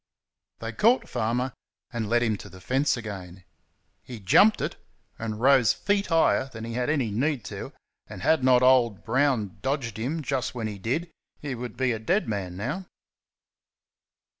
They caught Farmer and led him to the fence again. He jumped it, and rose feet higher than he had any need to, and had not old Brown dodged him just when he did he would be a dead man now.